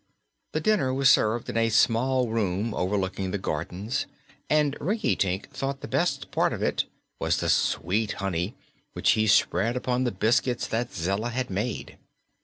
The dinner was served in a small room overlooking the gardens and Rinkitink thought the best part of it was the sweet honey, which he spread upon the biscuits that Zella had made.